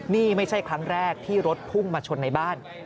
นี่ไม่ใช่ครั้งแรกที่รถพุ่งมาชนในบ้าน